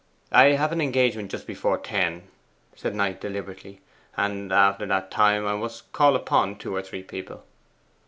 'I have an engagement just before ten,' said Knight deliberately; 'and after that time I must call upon two or three people.